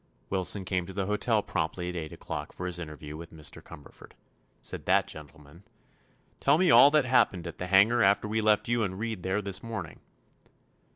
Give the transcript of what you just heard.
Wilson came to the hotel promptly at eight o'clock for his interview with Mr. Cumberford. Said that gentleman: "Tell me all that happened at the hangar after we left you and Reed there this morning."